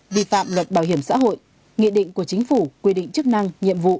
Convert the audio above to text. vi phạm luật bảo hiểm xã hội nghị định của chính phủ quy định chức năng nhiệm vụ